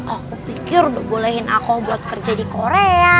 aku pikir udah bolehin aku buat kerja di korea